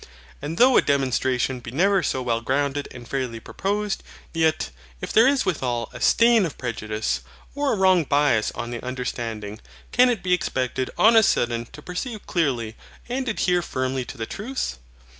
And though a demonstration be never so well grounded and fairly proposed, yet, if there is withal a stain of prejudice, or a wrong bias on the understanding, can it be expected on a sudden to perceive clearly, and adhere firmly to the truth?